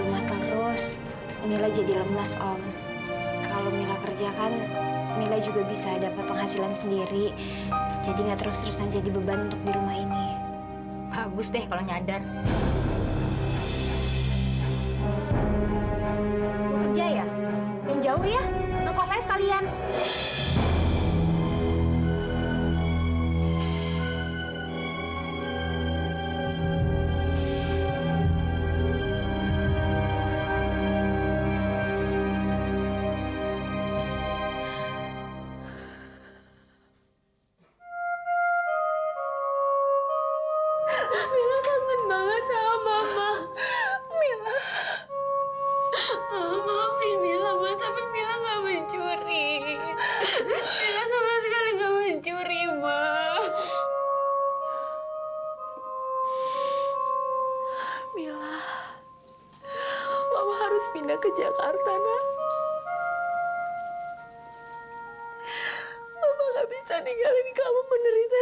mama harus pindah ke jakarta ya naya